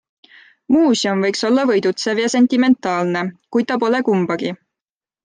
Muuseum võiks olla võidutsev ja sentimentaalne, kui ta pole kumbagi.